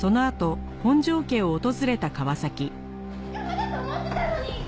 仲間だと思ってたのに！